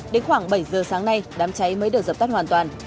đến khoảng bảy giờ sáng nay đám cháy mới được dập tắt hoàn toàn